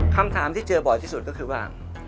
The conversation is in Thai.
คำถามที่เจอบ่อยที่สุดก็คือว่า